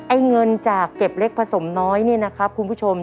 ไอ้เงินจากเก็บเล็กผสมน้อยเนี่ยนะครับคุณผู้ชม